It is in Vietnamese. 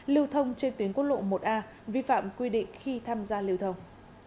lưu thông trên tuyến quốc lộ một a vi phạm quy định khi tham gia lưu thông